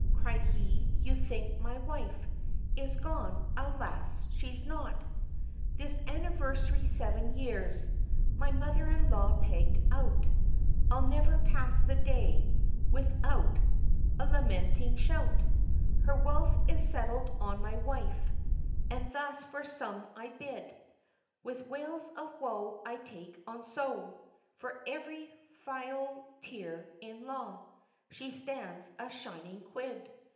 cried he, "you think my wife Is gone, alas! she's not, This anniversary seven years, My mother in law pegged out, I never pass the day, without A lamentating shout, Her wealth is settled on my wife, And thus for some I bid, With wails of woe, I take on so, For every filial tear in law, She stands a shining quid!"